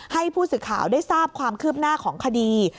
ให้ผู้สื่อข่าวได้ทราบความคืบหน้าของคดี